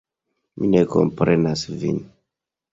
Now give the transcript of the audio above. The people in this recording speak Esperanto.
Mi ne komprenas vin.